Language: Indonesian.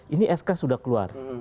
ini sk sudah keluar